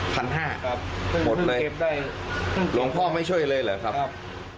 พันห้าหมดเลยครับหลวงพ่อไม่ช่วยเลยเหรอครับครับ